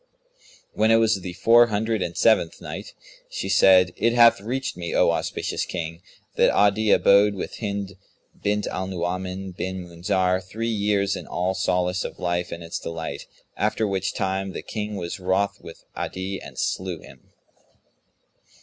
When it was the Four Hundred and Seventh Night, She said, It hath reached me, O auspicious King, that Adi abode with Hind bint Al Nu'uman bin Munzir three years in all solace of life and its delight, after which time the King was wroth with Adi and slew him.